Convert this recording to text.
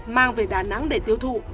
mang về đà nẵng để tiêu thụ